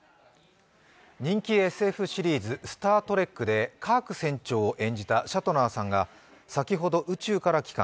人気ＳＦシリーズ「スター・トレック」でカーク船長を演じたシャトナーさんが先ほど宇宙から帰還。